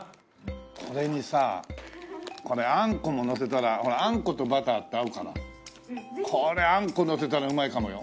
これにさあんこものせたらあんことバターって合うからこれあんこのせたらうまいかもよ。